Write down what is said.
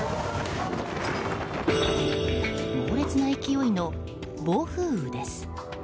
猛烈な勢いの暴風雨です。